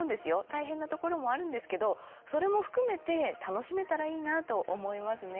大変なところもあるんですけどそれも含めて楽しめたらいいなと思いますね。